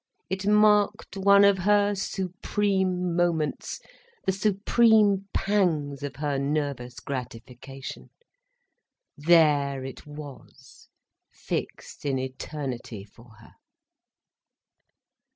It marked one of her supreme moments, the supreme pangs of her nervous gratification. There it was, fixed in eternity for her.